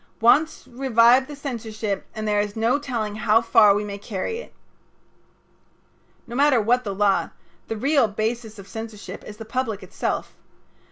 Once revive the censorship and there is no telling how far we may carry it." No matter what the law, the real basis of censorship is the public itself.